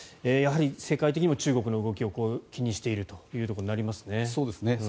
やはり世界的にも中国の動きを気にしているということになりますね。